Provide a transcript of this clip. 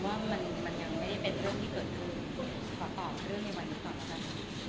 เพราะว่ามันยังไม่ได้เป็นเรื่องที่เกิดขึ้น